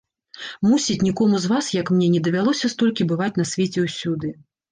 Мусіць, нікому з вас, як мне, не давялося столькі бываць на свеце ўсюды.